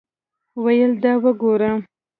ویل دا وګوره.